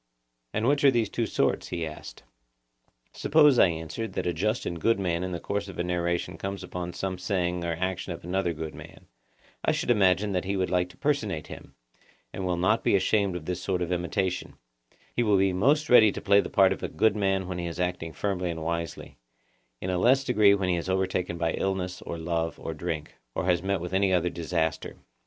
And which are these two sorts? he asked. Suppose, I answered, that a just and good man in the course of a narration comes on some saying or action of another good man,—I should imagine that he will like to personate him, and will not be ashamed of this sort of imitation: he will be most ready to play the part of the good man when he is acting firmly and wisely; in a less degree when he is overtaken by illness or love or drink, or has met with any other disaster.